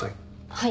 はい。